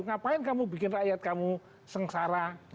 ngapain kamu bikin rakyat kamu sengsara